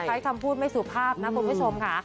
ใช้คำพูดไม่สุภาพนะคุณผู้ชมค่ะ